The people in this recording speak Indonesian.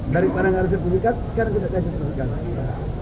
dari pernah ngaris sertifikat sekarang kita kasih sertifikat